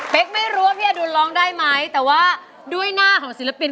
เพลงเนี่ย